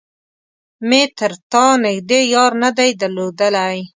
مې تر تا نږدې يار نه دی درلودلی.